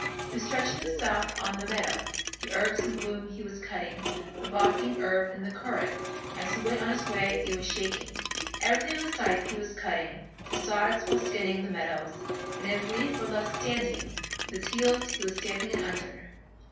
He was stretching himself on the meadow, The herbs in bloom he was cutting, The bog bean herb in the curragh, As he went on his way it was shaking, Everything with his scythe he was cutting, To sods was skinning the meadows, And if a leaf were left standing, With his heels he was stamping it under.